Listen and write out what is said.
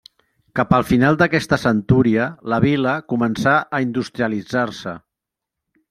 Cap al final d'aquesta centúria la vila començà a industrialitzar-se.